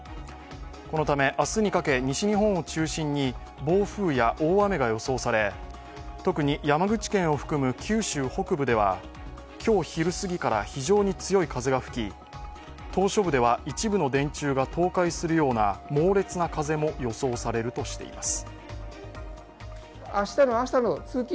このため、明日にかけ西日本を中心に暴風や大雨が予想され特に山口県を含む九州北部では今日昼すぎから非常に強い風が吹き島しょ部では一部の電柱が倒壊するような猛烈な風も予想されるとしています。